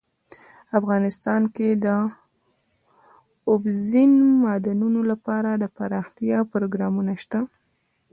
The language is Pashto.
افغانستان کې د اوبزین معدنونه لپاره دپرمختیا پروګرامونه شته.